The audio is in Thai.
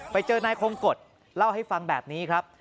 ไปเจอนายคงกฎเล่าให้ฟังแบบนี้ครับ